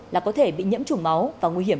là có thể bị nhiễm chủng máu và nguy hiểm